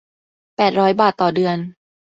แปดร้อย บาทต่อเดือน